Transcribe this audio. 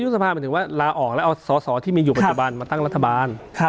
ยุบสภาเป็นนี่ถึงว่าราออกและเอาศอที่มีอยู่ปัจจุบันมาตั้งรัฐบาล